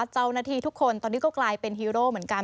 เจ้าหน้าที่ทุกคนตอนนี้ก็กลายเป็นฮีโร่เหมือนกัน